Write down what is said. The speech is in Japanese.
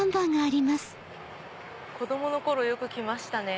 子供の頃よく来ましたね。